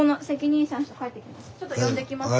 ちょっと呼んできます。